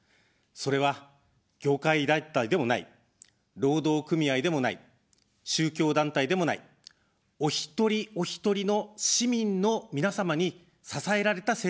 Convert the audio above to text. それは、業界団体でもない、労働組合でもない、宗教団体でもない、お一人おひとりの市民の皆様に支えられた政党だという点です。